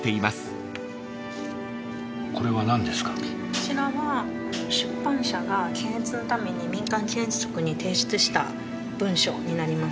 こちらは出版社が検閲のために民間検閲局に提出した文章になります。